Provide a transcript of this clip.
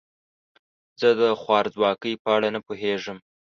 زه د خوارځواکۍ په اړه نه پوهیږم.